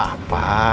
enggak ada apa apa